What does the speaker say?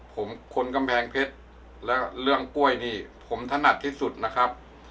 ผมคนกำแพงเพชรและเรื่องกล้วยนี่ผมถนัดที่สุดนะครับ